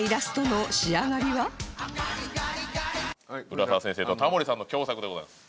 浦沢先生とタモリさんの共作でございます。